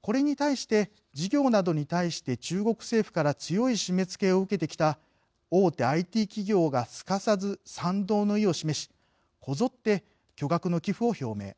これに対して、事業などに対して中国政府から強い締め付けを受けてきた大手ＩＴ企業がすかさず賛同の意を示しこぞって巨額の寄付を表明。